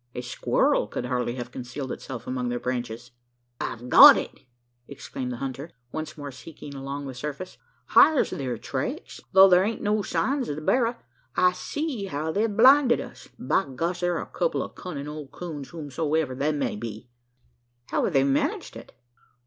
A squirrel could hardly have concealed itself among their branches. "I've got it!" exclaimed the hunter, once more seeking along the surface. "Hyar's thar tracks; tho' thar ain't no signs of the berra. I see how they've blinded us. By gosh! thar a kupple o' cunnin' old coons, whosomever they be." "How have they managed it?"